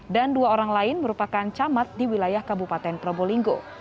dan dua orang lain merupakan camat di wilayah kabupaten probolinggo